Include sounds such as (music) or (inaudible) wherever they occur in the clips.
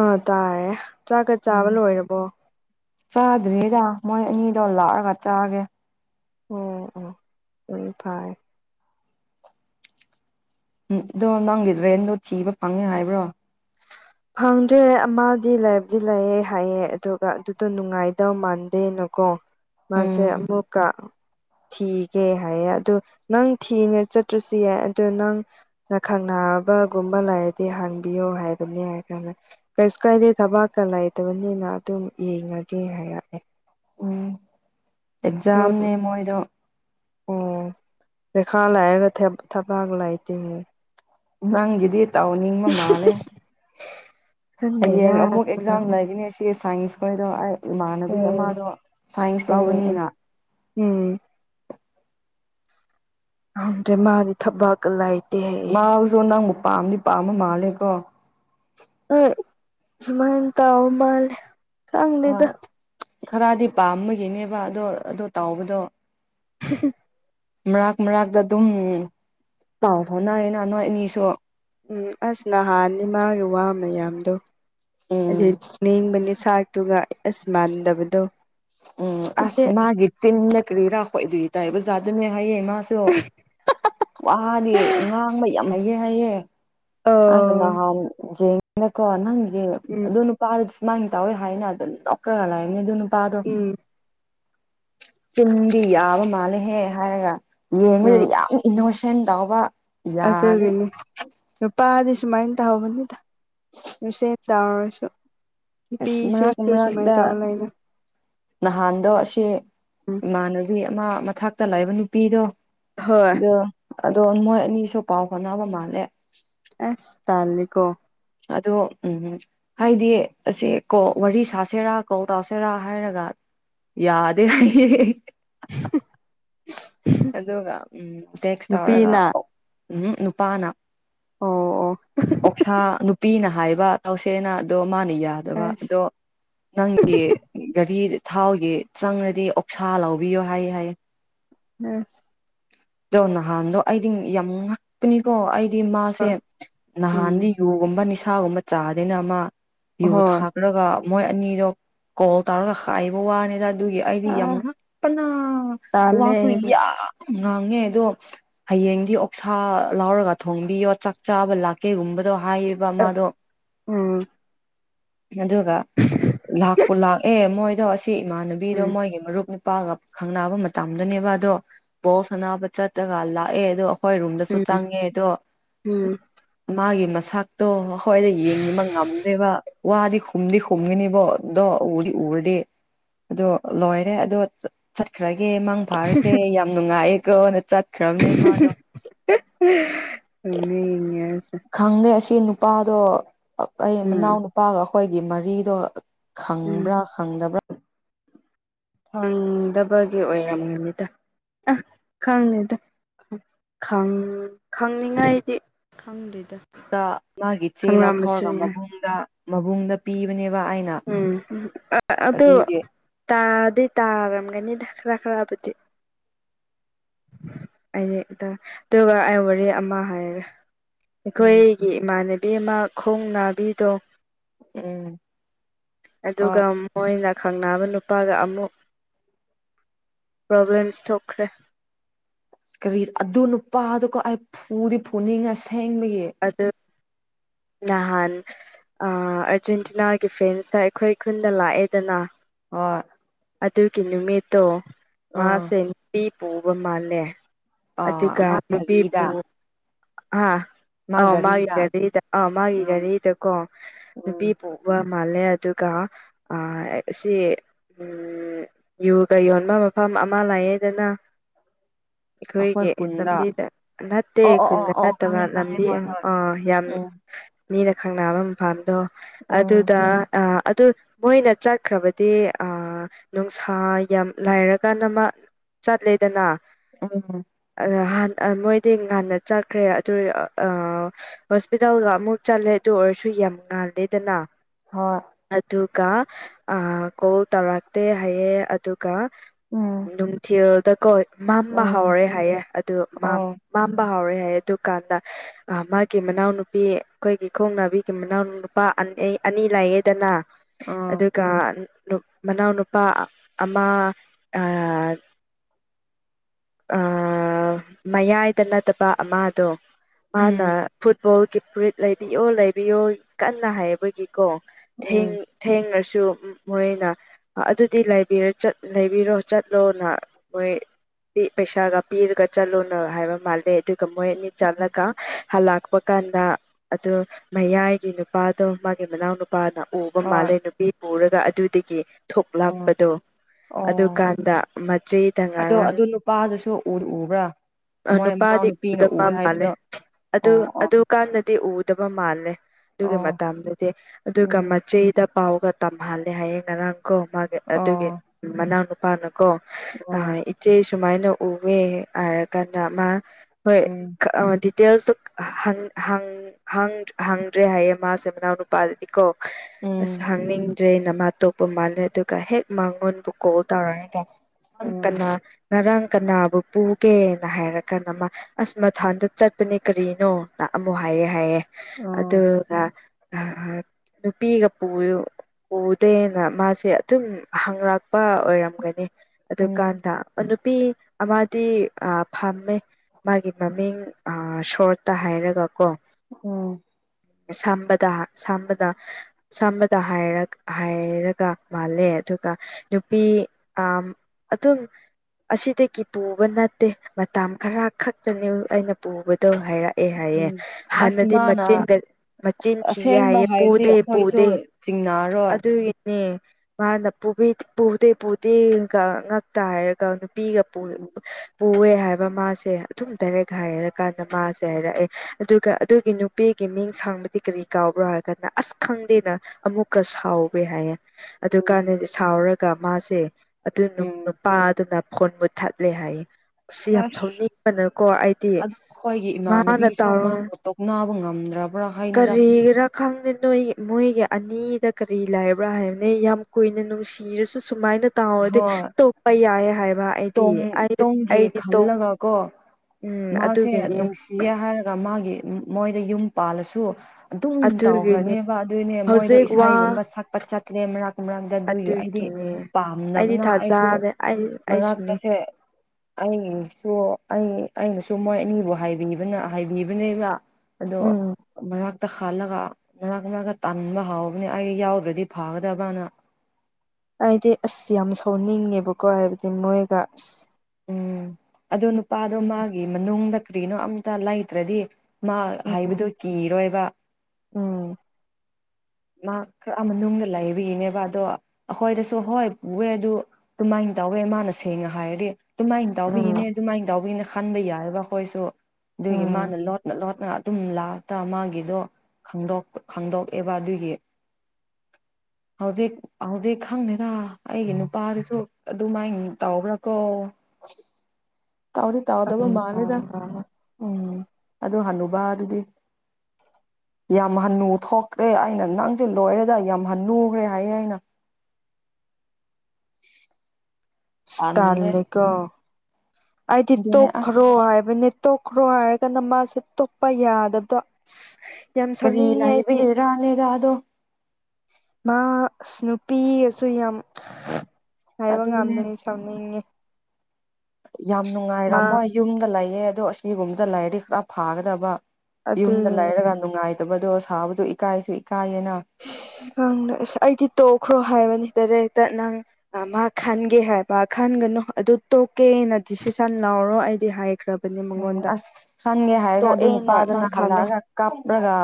ꯑꯥ ꯇꯥꯔꯦ ꯆꯥꯛꯒ ꯆꯥꯕ ꯎꯝ ꯂꯣꯏꯔꯕꯣ ꯆꯥꯗ꯭ꯔꯤꯗ ꯃꯣꯏ ꯑꯅꯤꯗꯣ ꯂꯥꯛꯑꯒ ꯆꯥꯒꯦ ꯑꯣ ꯑꯣ ꯎꯝ ꯐꯔꯦ ꯑꯗꯣ ꯅꯪꯒꯤ ꯔꯦꯟꯗꯣ ꯊꯤꯕ ꯐꯪꯅꯤ ꯍꯥꯏꯕ꯭ꯔꯣ ꯐꯪꯗ꯭ꯔꯦ ꯑꯃꯗꯤ ꯂꯩꯕꯗꯤ ꯂꯩꯑꯦ ꯍꯥꯏꯌꯦ ꯑꯗꯨꯒ ꯗꯨ ꯅꯨꯡꯉꯥꯏꯗꯧ ꯃꯥꯟꯗꯦꯅꯀꯣ ꯃꯥꯁꯦ ꯎꯝ ꯑꯃꯨꯛꯀ ꯊꯤꯒꯦ ꯍꯥꯏꯌꯦ ꯑꯗꯨ ꯅꯪ ꯊꯤꯉ ꯆꯠꯇ꯭ꯔꯁꯨ ꯌꯥꯏ ꯑꯗꯨ ꯅꯪ ꯅ ꯈꯪꯅꯥꯕꯒꯨꯝꯕ ꯂꯩꯔꯗꯤ ꯍꯪꯕꯤꯌꯣ ꯍꯥꯏꯕꯅꯦ ꯌꯥꯝ ꯀꯩꯁꯨ ꯀꯥꯏꯗꯦ ꯊꯕꯥꯛꯀ ꯂꯩꯇꯕꯅꯤꯅ ꯑꯗꯨꯝ ꯌꯦꯡꯉꯒꯦ ꯍꯥꯏꯔꯛꯑꯦ ꯎꯝ ꯍꯣꯏ ꯑꯦꯛꯖꯥꯝꯅꯦ ꯃꯣꯏꯗꯣ ꯑꯣ ꯄꯦꯈꯥ ꯂꯩꯔꯒ ꯊ ꯊꯕꯥꯛ ꯂꯩꯇꯦꯅꯦ ꯅꯪꯒꯤꯗꯤ ꯇꯧꯅꯤꯡꯕ ꯃꯥꯜꯂꯦ ꯈꯪꯗꯦꯗ ꯍꯌꯦꯡ ꯑꯃꯨꯛ ꯑꯦꯛꯖꯥꯝ ꯂꯩꯒꯅꯤ ꯏꯆꯦ ꯁꯥꯏꯟꯁ ꯈꯣꯏꯗꯣ ꯑꯩ ꯏꯃꯥꯟꯅꯕꯤ ꯎꯝ ꯑꯃꯗꯣ ꯁꯥꯏꯟꯁ ꯎꯝ ꯂꯧꯕꯅꯤꯅ ꯎꯝ ꯑꯗꯨꯗ꯭ꯔꯦ ꯃꯥꯗꯤ ꯊꯕꯀꯂꯥꯏ ꯃꯥꯕꯨꯁꯨ ꯅꯪꯕꯨ ꯄꯥꯝꯗꯤ ꯄꯥꯝꯕ ꯃꯥꯜꯂꯦꯀꯣ ꯑꯥ ꯁꯨꯃꯥꯢ ꯇꯧ ꯃꯥꯜꯂꯦ ꯈꯪꯗꯦꯗ ꯍꯣꯏ ꯈꯔꯗꯤ ꯄꯥꯝꯕꯒꯤꯅꯦꯕ ꯑꯗꯣ ꯑꯣ ꯇꯥꯎꯕꯗꯣ ꯎ (inaudible) ꯃꯔꯥꯛ ꯃꯔꯥꯛꯛꯇ ꯑꯗꯨꯝ ꯇꯥ ꯊꯅꯩꯅ ꯅꯣꯏ ꯑꯅꯤꯁꯨ ꯎꯝ ꯑꯁ ꯅꯍꯥꯟꯅꯤ ꯃꯥꯒꯤ ꯋꯥ ꯃꯌꯥꯝꯗꯣ ꯎꯝ ꯍꯥꯏꯗꯤ ꯅꯤꯡꯕꯅꯤ ꯁꯥꯛ ꯑꯗꯨꯒ ꯑꯁ ꯃꯥꯟꯗꯕꯗꯣ ꯎꯝ ꯑꯁ ꯃꯥꯒꯤ ꯆꯤꯟꯅ ꯀꯔꯈꯣꯏ ꯑꯗꯨ ꯇꯕꯥꯗꯅꯦ ꯍꯥꯏꯌꯦ ꯃꯥ ꯃꯥꯁꯨ ꯋꯥꯗꯤ ꯉꯥꯡꯕ ꯌꯥꯝ ꯍꯩꯌꯦ ꯍꯥꯏꯑꯦ ꯑꯣ ꯑꯩꯅ ꯅꯍꯥꯟ ꯌꯦꯦꯡꯉꯅꯀꯣ ꯅꯪꯒꯤ ꯎꯝ ꯑꯣ ꯅꯨꯄꯥꯗꯨ ꯁꯨꯃꯥꯏꯅ ꯇꯧꯋꯏ ꯍꯥꯏꯅꯗꯅ ꯀꯥꯜꯂꯒ ꯑꯗꯨ ꯅꯨꯄꯥꯗꯣ ꯎꯝ ꯆꯤꯟꯗꯤ ꯌꯥꯕ ꯃꯥꯜꯂꯦꯍꯦ ꯍꯥꯏꯔꯒ ꯑꯣ ꯌꯦꯡꯕꯗꯗꯤ ꯌꯥꯝ ꯏꯃꯣꯁꯟ ꯇꯎꯕ ꯌꯥꯗꯦ ꯑꯗꯨꯒꯤꯅꯤ ꯅꯨꯄꯥꯗꯤ ꯁꯨꯃꯥꯏꯅ ꯇꯧꯍꯧꯕꯅꯤꯗ ꯁꯦꯟ ꯇꯥꯔꯔꯁꯨ ꯑꯁ ꯅꯨꯄꯤꯤ ꯃꯔꯛ ꯁꯁꯨ ꯁꯨꯃꯥꯏꯅ ꯃꯔꯛꯇ ꯇꯧ ꯂꯩꯅ ꯅꯍꯥꯟꯗꯣ ꯑꯁꯤ ꯎꯝ ꯏꯃꯥꯟꯅꯕꯤ ꯑꯃ ꯃꯊꯇ ꯂꯥꯛꯕ ꯅꯨꯄꯤꯗꯣ ꯍꯣꯏ ꯑꯗꯣ ꯑꯗꯣ ꯃꯣꯏ ꯑꯅꯤꯁꯨ ꯄꯥꯎ ꯍꯣꯠꯅꯕ ꯃꯥꯜꯂꯦ ꯑꯁ ꯇꯀꯣ ꯑꯗꯣ ꯎꯝ ꯍꯥꯏꯗꯤ ꯑꯦ ꯀꯣ ꯋꯥꯔꯤ ꯁꯥꯁꯦꯔꯥ ꯀꯣ ꯇꯥꯎꯁꯦꯔꯥ ꯍꯥꯏꯔꯒ ꯌꯥꯗꯦ ꯍꯥꯏꯏꯌꯦ ꯍ ꯑꯗꯨꯒ ꯎꯝ ꯇꯦꯛꯁ ꯇꯧꯔꯒ ꯅꯨꯄꯤꯅ ꯎ ꯅꯨꯄꯥꯅ ꯑꯣ ꯑꯣ ꯑꯣꯛꯁꯥ ꯅꯨꯄꯤꯅ ꯍꯥꯏꯕ ꯇꯧꯁꯦꯅ ꯑꯗꯣ ꯃꯥꯅ ꯌꯥꯗꯕ ꯑꯁ ꯑꯗꯣ ꯅꯪꯒꯤ ꯒꯥꯔꯤ ꯊꯥꯎꯒꯤ ꯆꯪꯔꯗꯤ ꯑꯣꯛꯁꯥ ꯂꯧꯕꯤꯌꯣ ꯍꯥꯏ ꯍꯥꯏꯌꯦ ꯎꯝ ꯑꯗꯣ ꯅꯍꯥꯟꯗꯣ ꯑꯩꯗꯤ ꯌꯥꯝ ꯉꯛꯄꯅꯤꯀꯣ ꯑꯩꯗꯤ ꯃꯥꯁꯦ ꯑ ꯅꯍꯥꯟꯗꯤ ꯎꯝ ꯖꯨꯒꯨꯝꯕ ꯅꯤꯁꯥꯒꯨꯝꯕ ꯆꯥꯗꯅ ꯑꯃ ꯨ ꯍꯣꯏ ꯊꯥꯛ ꯑꯗꯨꯒꯒ ꯃꯣꯏ ꯑꯅꯤꯗꯣ ꯀꯣꯜ ꯇꯧꯔꯒ ꯍꯥꯏꯕ ꯋꯥꯅꯤꯗ ꯑꯗꯨꯒꯤ ꯑꯩꯗꯤ ꯑ ꯌꯥꯝꯨ ꯅꯄꯅ ꯇꯥꯜꯂꯦ ꯋꯥꯁꯨ ꯑꯩꯗꯤ ꯉꯥꯡꯉꯦ ꯑꯗꯣ ꯍꯌꯦꯡꯗꯤ ꯑꯣꯛꯁꯥ ꯂ ꯂꯧꯔꯒ ꯊꯣꯡꯕꯤꯌꯣ ꯆꯥꯛ ꯆꯥꯕ ꯂꯥꯛ ꯀꯩꯒꯨꯝꯕꯗꯣ ꯍꯥꯏꯔꯤꯕ ꯑ ꯃꯥꯗꯣ ꯎꯝ ꯑꯗꯨꯒ ꯂꯥꯛꯄꯨ ꯂꯥꯛꯑꯦ ꯃꯣꯏꯗꯣ ꯑꯁꯤ ꯏꯃꯥꯟꯅꯕꯤꯗꯣ ꯎꯝ ꯃꯣꯏꯒꯤ ꯃꯔꯨꯞ ꯅꯨꯄꯤ ꯅꯨꯄꯥꯒ ꯈꯪꯅꯕ ꯃꯇꯝꯗꯅꯦꯕ ꯑꯗꯣ ꯄꯕꯣꯁ ꯑꯅꯥꯕ ꯆꯠꯇꯒ ꯂꯥꯛꯑꯦ ꯑꯗꯣ ꯍꯣꯏ ꯔꯨꯝꯗꯁꯨ ꯎꯝ ꯆꯪꯉꯦ ꯑꯗꯣ ꯎꯝ ꯃꯥꯒꯤ ꯃꯁꯇꯣ ꯑꯩꯈꯣꯏꯗ ꯌꯦꯡꯅꯤꯡꯕ ꯉꯝꯅꯦꯕ ꯋꯥꯗꯤ ꯈꯨꯝꯗꯤ ꯈꯨꯝꯒꯅꯤꯕꯣꯗꯣ ꯎꯗꯤ ꯎꯔꯗꯤ ꯑꯗꯣ ꯂꯣꯏꯔꯦ ꯑꯗꯣ ꯆꯠꯈ꯭ꯔꯒꯦ ꯃꯥꯡ ꯐꯥꯔꯁꯦ ꯌꯥꯝ ꯅꯨꯡꯉꯥꯏꯑꯀꯣꯅꯠ ꯎ ꯈꯪꯗꯦ ꯑꯁꯤ ꯅꯨꯄꯥꯗꯣ ꯑꯩ ꯃꯅꯥꯎ ꯎꯝ ꯅꯨꯄꯥꯒ ꯑꯩꯈꯣꯏꯒꯤ ꯃꯔꯤꯗꯣ ꯎꯝ ꯈꯪꯕ꯭ꯔꯥ ꯈꯪꯗꯕ꯭ꯔꯥ ꯐꯪꯗꯕꯒꯤ ꯑꯣꯏꯔꯝ ꯅꯨꯅꯤꯗ ꯑ ꯈꯪꯉꯦꯗ ꯈꯪꯅꯤꯡꯉꯥꯏꯗꯤ ꯈꯪꯗ꯭ꯔꯤꯗ ꯇ ꯃꯥꯒꯤ ꯆꯦ ꯈꯪꯔꯝꯕꯁꯨ ꯂꯧꯊꯧꯔꯒ ꯌꯥꯏ ꯃꯕꯨꯡꯗ ꯃꯕꯨꯡꯗ ꯄꯤꯕꯅꯦꯕ ꯑꯩꯅ ꯎꯝ ꯑꯗꯨ ꯑꯗꯨꯒꯤ ꯇꯥꯗꯤ ꯇꯥꯔꯝꯒꯅꯤꯗ ꯈꯔ ꯈꯔꯕꯨꯗꯤ ꯑꯩ ꯑꯗꯨꯒ ꯑꯩ ꯋꯥꯔꯤ ꯑꯃ ꯍꯥꯏꯔꯦ ꯎꯝ ꯑꯩꯈꯣꯏꯒꯤ ꯏꯃꯥꯟꯅꯕꯤ ꯑꯃ ꯈꯣꯡ ꯅꯥꯕꯤꯗꯣ ꯎꯝ ꯍꯣꯏ ꯑꯗꯨꯒ ꯃꯣꯏꯅ ꯈꯪꯅꯕ ꯅꯨꯄꯥꯒ ꯑꯃꯨꯛ ꯄ꯭ꯔꯣꯕ꯭ꯂꯦꯝꯁ ꯊꯣꯛꯈ꯭ꯔꯦ ꯏꯁꯀꯔꯤ ꯑꯗꯨ ꯅꯨꯄꯥꯗꯨꯀꯣ ꯑꯩ ꯐꯨꯗꯤ ꯐꯨꯅꯤꯡꯉ ꯁꯦꯡꯕꯒꯤ ꯑꯗꯨ ꯅꯍꯥꯟ ꯑꯥꯔꯖꯦꯟꯇꯤꯅꯥꯒꯤ ꯐꯦꯟꯁꯇ ꯑꯩꯈꯣꯏ ꯈꯨꯟꯗ ꯂꯥꯛꯑꯦꯗꯅ ꯍꯣꯏ ꯑꯗꯨꯒꯤ ꯅꯨꯃꯤꯠꯇꯣ ꯎꯝ ꯃꯥꯁꯦ ꯅꯨꯄꯤ ꯄꯨꯕ ꯃꯥꯜꯂꯦ ꯑꯥ ꯑꯗꯨꯒ ꯃꯥ ꯒꯥꯔꯤꯗ ꯅꯨꯄꯤꯕꯨ ꯑꯥ ꯑꯥꯎ ꯃꯥꯒꯤ ꯒꯥꯔꯤꯗ ꯑꯥ ꯃꯥꯒꯤ ꯎꯝ ꯒꯥꯔꯤꯗꯀꯣ ꯎꯝ ꯅꯨꯄꯤꯕꯨ ꯎꯕ ꯃꯥꯜꯂꯦ ꯑꯗꯨꯒ ꯁꯤ ꯎꯝ ꯌꯨꯒ ꯌꯣꯟꯕ ꯃꯐꯝ ꯑꯃ ꯂꯩꯑꯦꯗꯅ ꯑꯩꯈꯣꯏ ꯑꯩꯈꯣꯏꯒꯤ ꯈꯨꯟꯗ ꯂꯝꯕꯤꯗ ꯅꯠꯇꯦ ꯑꯣ ꯑꯣ ꯑꯣ ꯈꯨꯟꯗ ꯑꯣ ꯅꯠꯇꯕ ꯈꯪꯉꯦ ꯈꯪꯉꯦ ꯂꯝꯕꯤ ꯍꯣꯏ ꯑꯥ ꯌꯥꯝ ꯑ ꯎꯝ ꯃꯤꯅ ꯈꯪꯅꯕ ꯃꯐꯝꯥꯝꯗꯣ ꯎꯝ ꯑꯗꯨꯗ ꯑꯗꯨ ꯃꯣꯏꯅ ꯆꯠꯈ꯭ꯔꯕꯗꯤ ꯑꯥ ꯅꯨꯡꯁꯥ ꯌꯥꯝ ꯂꯥꯏꯔ ꯀꯥꯟꯗ ꯑꯃ ꯆꯠꯂꯦꯗꯅ ꯎꯝ (inaudible) ꯑꯥꯟ ꯃꯣꯏꯗꯤ ꯉꯥꯟꯅ ꯆꯠꯈ꯭ꯔꯦ ꯑꯗꯨ ꯑ ꯍꯣꯁꯄꯤꯇꯥꯜꯒ ꯑꯃꯨꯛ ꯆꯠꯂꯦ ꯑꯗꯨ ꯑꯣꯏꯔꯁꯨ ꯌꯥꯝ ꯉꯜꯂꯦꯗꯅ ꯍꯣꯏ ꯑꯗꯨꯒ ꯀꯣꯜ ꯇꯧꯔꯛꯇꯦ ꯍꯥꯏꯌꯦ ꯑꯗꯨꯒ ꯎ ꯎꯝ ꯅꯨꯡꯊꯤꯜꯗꯀꯣ ꯃꯝꯕ ꯎꯝ ꯍꯥꯎꯔꯦ ꯍꯥꯏꯌꯦ ꯑꯗꯨꯃ ꯑꯣ ꯃꯥꯝꯕ ꯍꯧꯥꯎꯔꯌꯦ ꯍꯥꯏꯌ‌ꯦ ꯗꯨꯀꯥꯟꯗ ꯃꯥꯒꯤ ꯃꯅꯥꯎꯅꯨꯄꯤ ꯑꯩꯈꯣꯏꯒꯤ ꯈꯣꯡ ꯅꯥꯕꯤꯒꯤ ꯃꯅꯥꯎ ꯅꯨꯄꯥ ꯑꯅꯤ ꯂꯩꯑꯦꯗꯅ ꯑꯥ ꯑꯗꯨꯒ ꯃꯅꯥꯎꯅ ꯅꯨꯄꯥ ꯑꯃ ꯑ ꯃꯌꯥꯏꯗ ꯅꯠꯇꯕ ꯑꯃꯗꯣ ꯃꯥꯅ ꯎꯝ ꯐꯨꯠ ꯐꯨꯠꯕꯣꯜꯒꯤ ꯐꯨꯔꯤꯠ ꯂꯩꯕꯤꯌꯣ ꯂꯩꯕꯤꯌꯣ ꯀꯟꯅ ꯍꯥꯏꯌꯦꯕꯒꯤꯀꯣ ꯊꯦꯡ ꯎꯝ ꯊꯦꯡꯉꯁꯨ ꯃꯣꯏꯅ ꯑꯗꯨꯗꯤꯔ ꯂꯩꯕꯤꯔꯣ ꯆꯠꯂꯣꯅ ꯃꯣꯏ ꯄꯩꯁꯥꯒ ꯄꯤꯔꯒ ꯆꯠꯂꯨꯅ ꯍꯥꯏꯕ ꯃꯥꯜꯂꯦ ꯑꯗꯨꯒ ꯃꯣꯏ ꯑꯦꯗꯃꯤꯠ ꯆꯠꯂꯒ ꯍꯜꯂꯥꯛꯄ ꯀꯥꯟꯗ ꯑꯗꯣ ꯃꯌꯥꯏꯒꯤ ꯅꯨꯄꯥꯗꯣ ꯃꯥꯒꯤ ꯃꯅꯥꯎꯅꯨꯄꯥ ꯅꯨꯄꯥꯅ ꯎꯕ ꯃꯥꯜꯂꯦ ꯍꯣꯏ ꯅꯨꯄꯤ ꯄꯨꯔꯒ ꯑꯗꯨꯗꯒꯤ ꯎꯝ ꯊꯣꯛꯂꯛꯄꯗꯣ ꯑꯣ ꯑꯗꯨꯀꯥꯟꯗ ꯃꯆꯦꯗ ꯉꯔꯥꯡ ꯄꯥꯗꯨꯁꯨ ꯎ ꯎꯕ꯭ꯔꯥ ꯃꯣꯏ ꯃꯅꯥꯎ ꯅꯨꯄꯥꯗꯤ ꯅꯨꯄꯤꯅ ꯎꯗ ꯃꯥ ꯎꯑꯦ ꯃꯥꯜꯂꯦ ꯍꯥꯏꯕꯗꯣ ꯑꯣ ꯑꯗꯨ ꯑꯣ ꯑꯗꯨ ꯀꯥꯟꯗꯗꯤ ꯎꯗꯕ ꯃꯥꯜꯂꯦ ꯑꯗꯨꯒꯤ ꯑꯣ ꯃꯇꯗꯗꯤ ꯑꯗꯨꯒ ꯎꯝ ꯃꯆꯦ ꯗ ꯄꯥꯎꯒ ꯇꯝꯍꯜꯂꯦ ꯍꯥꯏꯌꯦꯡ ꯉꯔꯥꯡ ꯀꯣ ꯃꯥꯒꯤ ꯑꯗꯨꯒꯤ ꯑꯣ ꯃꯅꯥꯎ ꯅꯨ ꯃꯄꯥꯅꯀꯣ ꯑ ꯏꯆꯦ ꯁꯨꯃꯥꯏꯅ ꯎꯋꯦ ꯍꯥꯏꯔ ꯀꯥꯟꯗ ꯃꯥ ꯍꯣꯏ ꯎꯝ ꯇꯦꯜꯁꯇ ꯍꯪꯗ꯭ꯔꯦ ꯍꯥꯏꯌꯦ ꯃꯥꯁꯦ ꯃꯅꯥꯎ ꯅꯨꯄꯥꯗꯗꯤ ꯀꯣ ꯑꯁ ꯎꯝ ꯍꯪꯅꯤꯡ ꯗ꯭ꯔꯦꯅ ꯃꯥ ꯇꯣꯛꯞꯄ ꯃꯥꯜꯂꯦ ꯑꯗꯨꯒ ꯍꯦꯛ ꯃꯉꯣꯟꯕꯨ ꯀꯣꯜ ꯇꯧꯔꯑꯒ ꯅꯪ ꯎꯝ ꯀꯅꯥ ꯉꯔꯥꯡ ꯀꯅꯥꯕꯨ ꯄꯨꯒꯦꯅ ꯍꯥꯏꯔ ꯀꯥꯟꯗ ꯑꯃ ꯑꯁꯃꯊꯥꯟꯗ ꯆꯠꯄꯅꯦ ꯀꯔꯤꯅꯣꯅ ꯑꯃꯨꯛ ꯍꯥꯏꯑꯦ ꯍꯥꯏꯑꯦ ꯑꯣ ꯑꯗꯨꯒ ꯅꯨꯄꯤꯒ ꯄꯨꯌꯨ ꯎꯗꯦꯅ ꯃꯥꯁꯦ ꯑꯗꯨꯝ ꯍꯪꯂꯛꯄ ꯑꯣꯏꯔꯝꯒꯅꯤ ꯎꯝ ꯑꯗꯨꯀꯥꯟꯗ ꯅꯨꯄꯤ ꯑꯃꯗꯤ ꯑ ꯐꯝꯃꯦ ꯃꯥꯒꯤ ꯃꯃꯤꯡ ꯁꯣꯔꯠꯇ ꯍꯥꯏꯔꯒ ꯀꯣ ꯑꯣ ꯁꯝꯕꯗ ꯁꯝꯕꯗ ꯁꯝꯕꯗ ꯍꯥꯏꯔ ꯍꯥꯏꯔꯒ ꯃꯥꯜꯂꯦ ꯑꯗꯨꯒ ꯅꯨꯄꯤ ꯑ ꯑꯗꯨꯝ ꯑꯁꯤꯗꯒꯤ ꯄꯨꯕ ꯅꯠꯇꯦ ꯃꯇꯝ ꯈꯔ ꯈꯛꯇꯅꯤ ꯑꯩꯅ ꯄꯨꯕꯗꯣ ꯍꯥꯏꯔꯛꯑꯦ ꯑꯦꯍ ꯎꯝ ꯑꯁ ꯍꯅꯗꯤ ꯃꯆꯤꯟ ꯃꯥꯅ ꯃꯆꯤꯟ ꯆꯤꯌꯥ ꯑꯁꯦꯡꯕ ꯄ ꯍꯥꯏꯔꯗꯤ ꯄꯨꯗꯦ ꯑꯩꯈꯣꯏꯁꯨ ꯄꯨꯗꯦ ꯆꯤꯡꯅꯔꯣꯏ ꯑꯗꯨꯢ ꯃꯥꯅꯗꯦ ꯄꯨꯗꯦ ꯉꯛꯇ ꯍꯥꯏꯔꯒ ꯄꯄꯤꯒ ꯎꯝ ꯄꯨꯑꯦ ꯍꯥꯏꯕ ꯃꯥꯁꯦ ꯑꯗꯨꯊꯨꯝ ꯇꯔꯦꯛ ꯍꯥꯏꯔꯀꯥꯟꯗ ꯃꯥꯁꯦ ꯍꯥꯏꯔꯛꯑꯦ ꯑꯗꯨꯒ ꯑꯗꯨꯒꯤ ꯅꯨꯄꯤꯒꯤ ꯃꯤ ꯁꯥꯡꯕꯗꯤ ꯀꯔꯤ ꯀꯥꯎꯕ꯭ꯔꯣ ꯍꯥꯏꯔꯒꯥꯟꯗ ꯑꯁ ꯈꯪꯗꯦꯗ ꯑꯃꯨꯛ ꯀꯁꯥꯎꯑꯣꯕ ꯍꯥꯏꯌꯦ ꯑꯗꯨꯀꯥꯟꯗꯗꯤ ꯁꯥꯎꯔꯒ ꯃꯥꯁꯦ ꯑꯗꯨ ꯎꯝ ꯅꯨꯄꯥ ꯑꯗꯨꯅ ꯐꯣꯟꯕꯨ ꯊꯥꯠꯂꯦ ꯍꯥꯏꯌꯦ ꯁꯤ ꯑꯁ ꯌꯥꯝ ꯁꯥꯎꯅꯤꯡꯕꯅꯀꯣ ꯑꯩꯗꯤ ꯑꯗꯨ ꯑꯩꯈꯣꯏꯒꯤ ꯃꯥꯅ ꯏꯃꯥꯟꯅꯕꯤꯁꯨ ꯇꯥꯎꯔ ꯃꯥꯕꯨ ꯇꯣꯛꯅꯕ ꯉꯝꯗ꯭ꯔꯕ ꯀꯔꯤꯒꯤꯔ ꯈꯪꯗꯦ ꯅꯣꯏ ꯃꯣꯏꯒꯤ ꯑꯅꯤꯗ ꯀꯔꯤ ꯂꯥꯏꯕ꯭ꯔꯥ ꯍꯥꯏꯕꯅꯦ ꯌꯥꯝ ꯀꯨꯏꯅ ꯅꯨꯡꯁꯤꯔꯁꯨ ꯁꯨꯃꯥꯏꯅ ꯇꯧꯔꯗꯤ ꯍꯣꯏ ꯇꯣꯞꯄ ꯑꯌꯦ ꯍꯥꯏꯌꯦ ꯇꯣꯡꯒꯦ ꯈꯜꯂꯒ ꯀꯣ ꯎꯝ ꯃꯥꯁꯦ ꯑꯗꯨꯒꯤꯅꯦ ꯅꯨꯡ ꯁꯤꯒꯦ ꯍꯥꯏꯔꯒ ꯃꯥꯒꯤ ꯃꯣꯏꯗ ꯌꯨꯝ ꯄꯥꯜꯂꯁꯨ ꯑꯗꯨꯝ ꯑꯗꯨꯒꯤꯅꯤ ꯇꯧꯈ꯭ꯔꯅꯦꯕ ꯑꯗꯨꯏꯅꯦ ꯃꯣꯏꯗꯣ ꯍꯧꯖꯤꯛ ꯋꯥ ꯏꯁꯩꯒꯨꯝꯕ ꯁꯛꯄ ꯆꯠꯇ꯭ꯔꯦ ꯃꯔꯛꯀ ꯃꯔꯥꯡꯛꯇ ꯑꯗꯨꯏꯒꯤ ꯑꯩꯗꯤ ꯑꯗꯨꯒꯤꯅꯦ ꯑꯩꯗꯤ ꯄꯥꯝꯗꯕꯅ ꯑꯩꯁꯨ ꯊꯥꯖꯗꯦ ꯑꯩ ꯃ ꯑꯩꯁꯨꯅꯦ ꯀꯩꯁꯦ (inaudible) ꯑꯩꯁꯨ ꯑꯩ ꯑꯩꯅꯁꯨ ꯃꯣꯏ ꯑꯅꯤꯕꯨꯕ ꯍꯥꯏꯕꯤꯕꯅꯦꯕ ꯑꯗꯣ ꯎꯝ ꯃꯍꯥꯛ ꯇꯛ ꯈꯜꯂꯒ ꯃꯔꯛ ꯃꯔꯛꯀ ꯇꯟꯕ ꯍꯥꯎꯕꯅꯤ ꯑꯩ ꯌꯥꯎꯗ꯭ꯔꯗꯤ ꯐꯒꯗꯕꯅ ꯍꯥꯏꯗꯤ ꯑꯁ ꯌꯥꯝ ꯁꯥꯎꯅꯤꯡꯉꯦꯕꯀꯣ ꯍꯥꯏꯕꯗꯤ ꯃꯣꯏꯒ ꯑꯁ ꯎꯝ ꯑꯗꯣ ꯅꯨꯄꯥꯗꯣ ꯃꯥꯒꯤ ꯃꯅꯨꯡꯗ ꯀꯔꯤꯅꯣ ꯑꯝꯇ ꯂꯩꯇ꯭ꯔꯗꯤ ꯃꯥ ꯎꯝ ꯍꯥꯏꯕꯗꯨ ꯀꯤꯔꯣꯏꯕ ꯎꯝ ꯃꯥ ꯈꯔ ꯃꯅꯨꯡꯗ ꯂꯩꯕꯤꯅꯦꯕ ꯑꯗꯣ ꯑꯩꯈꯣꯏꯗꯁꯨ ꯍꯣꯏ ꯄꯨꯋꯦ ꯑꯗꯨ ꯑꯗꯨꯃꯥꯏꯅ ꯇꯧꯋꯦ ꯃꯥꯅ ꯁꯦꯡꯅ ꯍꯥꯏꯔꯗꯤ ꯑꯗꯨꯃꯥꯏꯅ ꯇꯥꯎꯕꯤꯒꯤꯅꯦ ꯑꯗꯨꯃꯥꯏꯅ ꯇꯧꯒꯅ ꯈꯟꯕ ꯌꯥꯏꯕ ꯑꯩꯈꯣꯏꯁꯨ ꯑꯗꯨꯒꯤ ꯎꯝ ꯃꯥꯅ ꯂꯣꯠꯅ ꯂꯣꯠꯅ ꯑꯗꯨꯝ ꯂꯥꯁꯇ ꯃꯥꯒꯤꯗꯣ ꯈꯪꯗꯣꯛꯑꯦꯕ ꯑꯗꯨꯒꯤ ꯍꯧꯖꯤꯛ ꯍꯧꯗꯤꯦ ꯈꯪꯗꯦꯔ ꯑꯩꯒꯤ ꯅꯨꯄꯥꯗꯨꯁꯨ ꯑꯗꯨꯃꯥꯏꯅ ꯇꯕ꯭ꯔꯥ ꯀꯣ (unintelligible) ꯇꯥꯎꯗꯤ ꯇꯥꯎꯗꯕ ꯃꯥꯜꯂꯦꯗ ꯑꯁ ꯑꯗꯨ ꯍꯟꯅꯨꯕ ꯑꯗꯨꯗꯤ ꯌꯥꯝ ꯍꯟꯅꯨ ꯊꯣꯛꯇ꯭ꯔꯦ ꯑꯩꯅ ꯅꯪꯁꯦ ꯂꯣꯏꯔꯦꯗ ꯌꯥꯝ ꯍ ꯂꯨꯈ꯭ꯔꯦ ꯍꯥꯏꯌꯦ ꯑꯩꯅ ꯁ ꯇꯜꯂꯦ ꯇꯜꯂꯦꯀꯣ ꯑꯩꯗꯤ ꯑꯗꯨꯅꯦ ꯑꯁ ꯇꯣꯛꯈ꯭ꯔꯣ ꯍꯥꯏꯕꯅꯦ ꯇꯣꯛꯈ꯭ꯔꯣ ꯍꯥꯏꯔꯒꯅ ꯃꯥꯁꯦ ꯇꯣꯛꯄ ꯌꯥꯗꯕꯗꯣ ꯑ ꯀꯔꯤ ꯂꯏꯕꯒꯦꯔꯥꯅꯦ ꯔꯗꯣ ꯃꯥ ꯅꯨꯄꯤ ꯑꯁꯨ ꯌꯥꯝ ꯍꯥꯏꯕ ꯑꯗꯨꯅꯦ ꯉꯥꯝꯅꯩ ꯁꯥꯎꯅꯤꯡꯉꯤ ꯌꯥꯝ ꯃꯥ ꯅꯨꯡꯉꯥꯏꯔꯝꯃꯣꯏ ꯌꯨꯝꯗ ꯂꯩꯌꯦ ꯑꯗꯣ ꯑꯁꯤꯒꯨꯝꯕꯗ ꯂꯩꯥꯏꯔꯗꯤ ꯈꯔ ꯐꯥꯒꯗꯕ ꯌꯨꯝꯗ ꯑꯗꯨꯅꯦ ꯂꯩꯔꯒ ꯅꯨꯡꯉꯥꯏꯇꯕꯗꯣ ꯁꯥꯕꯗꯣ ꯏꯀꯥꯏꯁꯨ ꯏꯀꯥꯏꯌꯦꯅ ꯑꯁ ꯑꯩꯗꯤ ꯇꯣꯛꯈ꯭ꯔꯣ ꯍꯥꯏꯕꯅꯤꯗꯔ ꯍꯦꯛꯇ ꯅꯪ ꯃꯥ ꯈꯟꯒꯦ ꯍꯥꯏꯕ ꯈꯟꯒꯅꯨ ꯑꯗꯨ ꯇꯣꯛꯀꯦꯅ ꯗꯤꯁꯤꯖꯟ ꯂꯧꯔꯣ ꯑꯩꯗꯤ ꯍꯥꯏꯈ꯭ꯔꯕ ꯎꯝ ꯑꯁ ꯍꯟꯒꯦ ꯍꯥꯏꯔꯒ ꯑꯗꯨ ꯇꯣꯛꯑꯦꯅ ꯅꯨꯄꯥꯗꯨꯅ ꯅꯪ ꯍꯜꯂꯛꯑꯒ ꯀꯥꯞꯔꯒ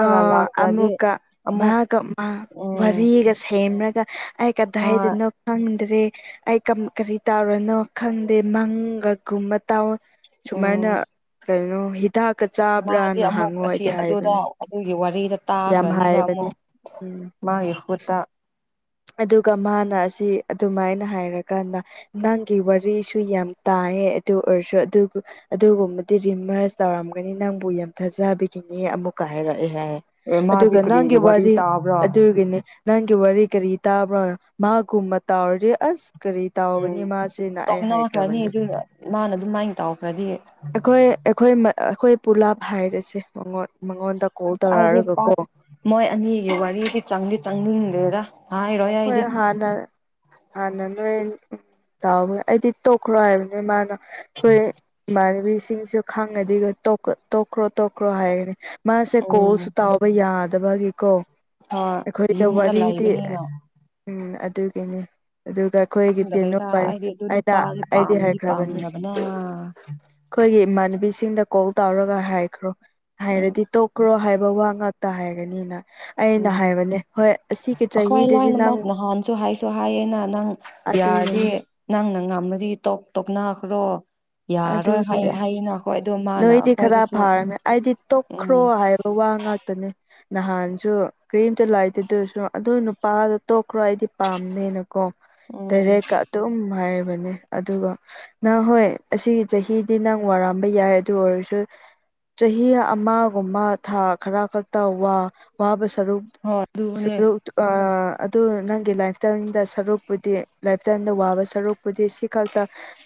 ꯑ ꯂꯥꯛꯈ꯭ꯔꯗꯤ ꯑꯃꯨꯛꯀ ꯑꯃꯨꯛ ꯃꯥꯒ ꯃꯥ ꯎꯝ ꯋꯥꯔꯤꯒ ꯁꯦꯝꯔꯒ ꯑ ꯀꯗ ꯍꯥꯏꯗ ꯍꯣꯏ ꯅꯣ ꯈꯪꯗ꯭ꯔꯦ ꯑꯩ ꯀꯔꯤ ꯇꯧꯔꯅꯣ ꯈꯪꯗꯦ ꯃꯪꯒꯒꯨꯝꯕ ꯇꯥꯎ ꯁꯨꯃꯥꯏꯅ ꯎꯝ ꯀꯩꯅꯣ ꯍꯤꯗꯥꯛꯀ ꯃꯥꯗꯤ ꯆꯥꯕ꯭ꯔꯥꯅ ꯑꯃꯨꯛ ꯍꯥꯡꯉꯣ ꯑꯁꯤ ꯍꯥꯏꯗꯤ ꯑꯗꯨꯗ ꯍꯥꯏꯕꯅꯦ ꯑꯗꯨꯒꯤ ꯋꯥꯔꯤꯗ ꯌꯥꯝ ꯇꯥꯈ꯭ꯔꯅꯤꯕ ꯍꯥꯏꯕꯅꯦ ꯑꯃꯨꯛ ꯎꯝ ꯃꯥꯒꯤ ꯈꯨꯨꯠꯇ ꯑꯗꯨꯒ ꯃꯥꯅ ꯑꯁꯤ ꯑꯗꯨꯃꯥꯏꯅ ꯍꯥꯏꯔꯀꯥꯟꯗ ꯅꯪꯒꯤ ꯋꯥꯔꯤꯁꯨ ꯌꯥꯝ ꯇꯥꯏꯌꯦ ꯑꯗꯨ ꯑꯣꯏꯔꯁꯨ ꯑꯗꯨꯕꯨ ꯑꯗꯨꯒꯨꯝꯕꯗꯤ ꯔꯤꯃꯔꯁ ꯇꯧꯔꯝꯒꯅꯤ ꯅꯪꯕꯨ ꯌꯥꯝ ꯊꯥꯖꯕꯒꯤꯅꯤ ꯑꯃꯨꯛꯀ ꯍꯥꯏꯔꯛꯑꯦ ꯍꯥꯏ ꯑꯦ ꯃꯥꯗꯤ ꯑꯗꯨꯒ ꯅꯪꯒꯤ ꯀꯔꯤꯒꯤ ꯋꯥꯔꯤ ꯇꯥꯕ꯭ꯔꯥ ꯑꯗꯨꯒꯤꯅꯤ ꯅꯪꯒꯤ ꯋꯥꯔꯤ ꯀꯔꯤ ꯇꯥꯕ꯭ꯔꯣ ꯃꯥꯒꯨꯝꯕ ꯇꯥꯎꯔꯗꯤ ꯑꯁ ꯀꯔꯤ ꯎꯝ ꯇꯥꯎꯒꯅꯤ ꯃꯥꯁꯤꯅ ꯑꯩ ꯇꯣꯛꯅꯈ꯭ꯔꯅꯤ ꯍꯥꯏꯈ꯭ꯔꯕꯅꯤ ꯑꯗꯨꯅ ꯃꯥꯅ ꯑꯗꯨꯃꯥꯏꯅ ꯇꯧꯈ꯭ꯔꯗꯤ ꯑꯩꯈꯣꯏ ꯑꯩꯈꯣꯏ ꯑꯩꯈꯣꯏ ꯄꯨꯂꯥꯞ ꯍꯥꯏꯔꯁꯦ ꯃꯉꯣꯟ ꯃꯉꯣꯟꯗ ꯀꯣꯜ ꯑꯁ ꯑꯩꯗꯤ ꯇꯧꯔꯛꯑꯒꯀꯣ ꯄꯥꯛ ꯃꯣꯏ ꯑꯅꯤꯒꯤ ꯋꯥꯔꯤꯗꯤꯪꯗꯤ ꯆꯪꯅꯤꯡꯟꯗꯦꯗ ꯍꯥꯏꯔꯣꯏ ꯍꯣꯏ ꯑꯩꯗꯤ ꯍꯥꯟꯅ ꯍꯥꯟꯅ ꯅꯣꯏ ꯎ ꯇꯕ ꯑꯩꯗꯤ ꯇꯣꯛꯈ꯭ꯔꯣ ꯍꯥꯏꯕ ꯅꯣꯏ ꯃꯥꯅ ꯑꯩꯈꯣꯏ ꯏꯃꯥꯟꯅꯕꯤꯁꯤꯡꯁꯨ ꯈꯥꯡꯅꯗꯤ ꯇꯣꯛꯈ꯭ꯔꯣ ꯇꯣꯛꯈ꯭ꯔꯣ ꯍꯥꯏꯒꯅꯤ ꯃꯥꯁꯦ ꯎꯝ ꯀꯣꯜꯁꯨ ꯇꯥꯎꯕ ꯌꯥꯗꯕꯒꯤꯀꯣ ꯍꯣꯏ ꯑꯩꯈꯣꯏꯗ ꯌꯨꯝꯗ ꯋꯥꯔꯤꯗꯤ ꯂꯩꯕꯅꯤꯅ ꯎꯝ ꯑꯗꯨꯒꯤꯅꯤ ꯑꯗꯨꯒ ꯑꯩꯈꯣꯏꯒꯤ ꯈꯪꯗꯕꯩꯗ ꯄꯅꯨꯄꯥ ꯑꯩꯗꯤ ꯑꯗꯨ ꯑꯩꯅ ꯅꯨꯄꯥꯗꯤ ꯑꯩꯗꯤ ꯄꯥꯝꯗꯤ ꯍꯥꯏꯈ꯭ꯔꯕꯅꯦ ꯄꯥꯝꯗꯕꯅ ꯑꯥ ꯑꯩꯈꯣꯏꯒꯤ ꯏꯃꯥꯟꯅꯕꯤꯁꯤꯡꯗ ꯀꯣꯜ ꯇꯧꯔꯒ ꯍꯥꯏꯈ꯭ꯔꯣ ꯍꯥꯏꯔꯗꯤ ꯇꯣꯛꯈ꯭ꯔꯣ ꯍꯥꯏꯕ ꯋꯥ ꯉꯥꯛ ꯇ ꯍꯥꯏꯒꯅꯤꯅ ꯑꯩꯅ ꯍꯥꯏꯕꯅꯦ ꯍꯣꯏ ꯑꯁꯤꯒꯤ ꯆꯍꯤꯗꯤ ꯑꯅ ꯃꯍꯥꯛ ꯅꯍꯥꯟꯁꯨ ꯍꯥꯏꯁꯨ ꯍꯥꯏꯌꯦꯅ ꯅꯪ ꯌꯥꯔꯗꯤ ꯑꯗꯨꯒꯤꯅꯤ ꯅꯪꯅ ꯉꯝꯃꯗꯤ ꯇꯣꯞ ꯇꯣꯞꯅꯈ꯭ꯔꯣ ꯌꯥꯔꯣꯏ ꯑꯗꯨꯅꯦ ꯍꯥꯏꯌꯦ ꯅꯣꯏꯗꯤ ꯈꯔ ꯐꯥꯔꯃꯦ ꯑꯩꯗꯤ ꯎꯝ ꯇꯣꯛꯈ꯭ꯔꯣ ꯍꯥꯏꯕ ꯋꯥ ꯉꯥꯛꯇꯅꯦ ꯅꯍꯥꯟꯁꯨ ꯀ꯭ꯔꯤꯝꯇ ꯂꯥꯏꯇꯦ ꯑꯗꯨꯔꯁꯨ ꯑꯗꯨ ꯅꯨꯄꯥꯗꯣ ꯇꯣꯛꯈ꯭ꯔꯣ ꯑꯩꯗꯤ ꯄꯥꯝꯅꯦꯅ ꯀꯣ ꯎꯝ ꯗꯥꯢꯔꯦꯛ ꯑꯗꯨꯝ ꯍꯥꯏꯔꯤꯕꯅꯦ ꯑꯗꯨꯒ ꯅꯪ ꯍꯣꯏ ꯑꯁꯤꯒꯤ ꯆꯍꯤꯗꯤ ꯅꯪ ꯋꯥꯔꯝꯕ ꯌꯥꯏ ꯑꯗꯨ ꯑꯣꯏꯔꯁꯨ ꯆꯍꯤ ꯑꯃꯒꯨꯝꯕ ꯊꯥ ꯈꯔ ꯈꯛꯇ ꯋꯥ ꯋꯥꯕ ꯁꯔꯨꯛ ꯍꯣꯏ ꯁ ꯑꯗꯨꯅꯦ (inaudible) ꯑꯗꯨ ꯅꯪꯒꯤ ꯂꯥꯏꯐꯇꯥꯏꯝꯗ ꯁꯔꯨꯛꯄꯨꯗꯤ ꯂꯥꯏꯐꯇꯥꯏꯝꯗ ꯋꯥꯕ ꯁꯔꯨꯛꯄꯨꯗꯤ ꯁꯤꯈꯛ ꯇ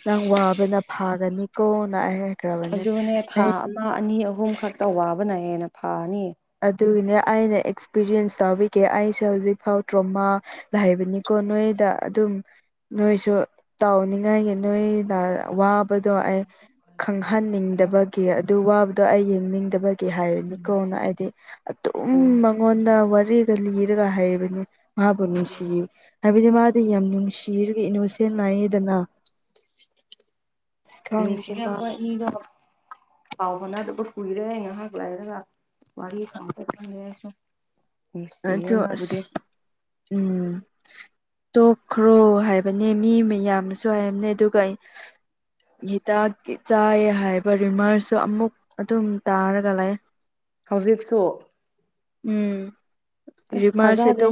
ꯅꯪ ꯋꯥꯕꯅ ꯐꯥꯒꯅꯤꯀꯣꯅ ꯑꯩ ꯍꯥꯏꯈ꯭ꯔꯕꯅꯦ ꯑꯗꯨꯅꯦ ꯑꯩ ꯊꯥ ꯑꯃ ꯑꯅꯤ ꯑꯍꯨꯝ ꯈꯛꯇ ꯋꯥꯕꯅꯍꯦꯟꯅ ꯐꯥꯅꯤ ꯑꯗꯨꯒꯤꯅꯦ ꯑꯩꯅ ꯑꯦꯛꯁꯄꯤꯔꯤꯌꯦꯟꯁ ꯇꯥꯕꯤꯒꯦ ꯑꯩꯁꯦ ꯍꯧꯖꯤꯛꯐꯥꯎ ꯗ꯭ꯔꯣꯃꯥ ꯂꯥꯛꯕꯅꯤꯀꯣ ꯅꯣꯏꯗ ꯑꯗꯨꯝ ꯅꯣꯏꯁꯨ ꯇꯥꯎꯅꯤꯡꯉꯥꯏꯒꯤ ꯅꯣꯏꯅ ꯗꯣ ꯑꯩ ꯈꯪꯍꯟꯅꯤꯡꯗꯕꯒꯤ ꯑꯗꯨ ꯋꯥꯕꯗꯣ ꯑꯩ ꯌꯦꯡꯅꯤꯡꯗꯕ ꯀ ꯍꯥꯏꯔꯅꯤꯀꯣꯅ ꯍꯥꯏꯗꯤ ꯑꯗꯨꯝ ꯎꯝ ꯃꯉꯣꯟꯗ ꯋꯥꯔꯤꯒ ꯂꯤꯔꯒ ꯍꯥꯏ ꯍꯥꯏꯕ ꯃꯥꯕꯨ ꯅꯨꯡꯁꯤ ꯍꯥꯏꯕꯗꯤ ꯃꯥꯗꯤ ꯌꯥꯝ ꯅꯨꯡꯁꯤꯔꯒ ꯏꯅꯣꯁꯦꯜ ꯅꯥꯏꯌꯦꯗꯅ ꯈꯪꯗꯦ ꯅꯨꯡꯁꯤꯒꯤ ꯃꯥ ꯑꯩꯈꯣꯏ ꯑꯅꯤꯗꯣ ꯄꯥꯎ ꯍꯅꯠ ꯀꯨꯏꯔꯦ ꯉꯍꯥꯛ ꯂꯥꯏꯔꯒ ꯋꯥꯔꯤ ꯊꯪ (inaudible) ꯅꯨꯡꯁꯤꯌꯦ ꯑꯗꯣ ꯃꯥꯕꯨꯗꯤ ꯑꯁ ꯎꯝ ꯇꯣꯛꯈ꯭ꯔꯣ ꯍꯥꯏꯕꯅꯦ ꯃꯤ ꯃꯌꯥꯝ ꯑꯃꯁꯨ ꯍꯥꯏꯕꯅꯦ ꯑꯗꯨꯒ ꯑꯩ ꯒꯤꯇꯥꯥꯛ ꯆꯥꯏ ꯍꯥꯏꯕ ꯔꯤꯃꯔꯁꯨ ꯑꯃꯨꯛ ꯑꯗꯨꯝ ꯇꯥꯔꯒ ꯂꯩ ꯍꯧꯖꯤꯛꯁꯨ ꯎꯝ ꯑꯁ ꯔꯤꯃꯔꯁꯁꯦ ꯊꯥꯖꯗꯦ ꯑꯗꯨꯝ